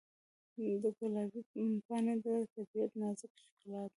د ګلاب پاڼې د طبیعت نازک ښکلا ده.